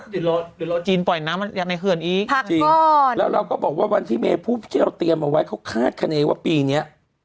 เดี๋ยวรอจีนปล่อยน้ำมาจากในเขื่อนอีกภาคจริงแล้วเราก็บอกว่าวันที่เมย์พูดที่เราเตรียมเอาไว้เขาคาดคณีว่าปีเนี้ย